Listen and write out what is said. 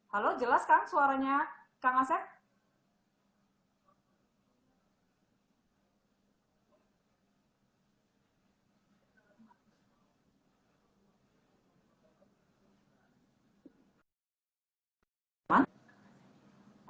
halo jelas kan suaranya kang asep